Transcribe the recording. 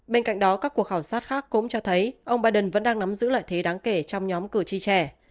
bên cạnh đó các cuộc khảo sát khác cũng cho thấy ông biden vẫn đang nắm giữ lợi thế đáng kể trong nhóm cử tri trẻ